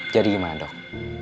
jadi gimana dok